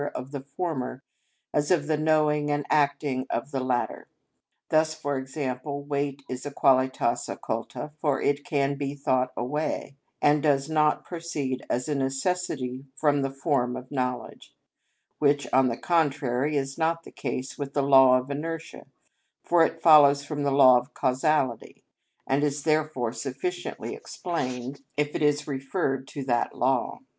of the former, as of the knowing and acting of the latter. Thus, for example, weight is a qualitas occulta, for it can be thought away, and does not proceed as a necessity from the form of knowledge; which, on the contrary, is not the case with the law of inertia, for it follows from the law of causality, and is therefore sufficiently explained if it is referred to that law.